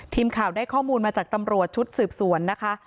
ทีมข่าวได้ข้อมูลมาจากตำรวจชุดสืบสวนนะคะ